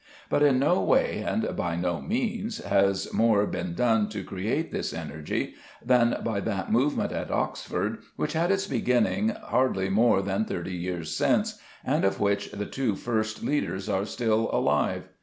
But in no way and by no means has more been done to create this energy than by that movement at Oxford which had its beginning hardly more than thirty years since, and of which the two first leaders are still alive.